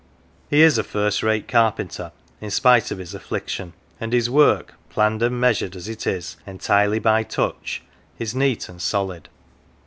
He is a first rate carpenter in spite of his affliction, and his work, planned and measured as it is entirely by touch, is neat and solid.